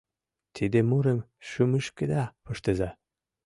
Тиде мурым шӱмышкыда пыштыза